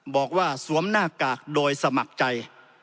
บอกว่าสวมหน้ากากโดยสมัครใจ